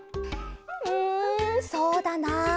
うんそうだな。